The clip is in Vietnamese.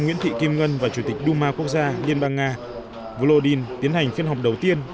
nguyễn thị kim ngân và chủ tịch duma quốc gia liên bang nga volodin tiến hành phiên họp đầu tiên